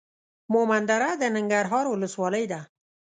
مومندره د ننګرهار ولسوالۍ ده.